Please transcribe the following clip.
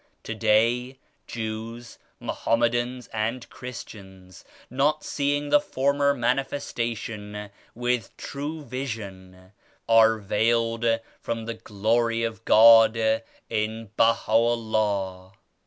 Today Jews, Mohammedans and Christians not seeing the former Manifestation with true vision, are veiled from the Glory of God in Baha'u^ LLAH.